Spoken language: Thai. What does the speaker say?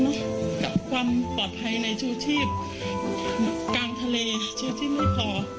กับความปลอดภัยในชูชีพกลางทะเลชูชีพไม่พอ